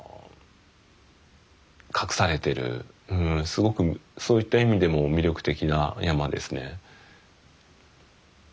すごくそういった意味でも魅力的な山ですね。